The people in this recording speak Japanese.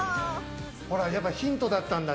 ほらやっぱりヒントだったんだ。